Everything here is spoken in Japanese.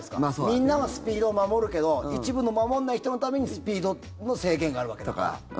みんなはスピードを守るけど一部の守らない人のためにスピードの制限があるわけだから。